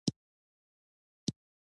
کندهار د افغانستان د ملي هویت نښه ده.